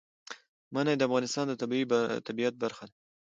منی د افغانستان د طبیعت برخه ده.